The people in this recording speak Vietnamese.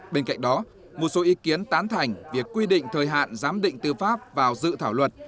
bên cạnh đó một số ý kiến tán thành việc quy định thời hạn giám định tư pháp vào dự thảo luật